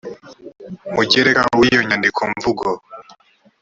mugereka w iyo nyandikomvugo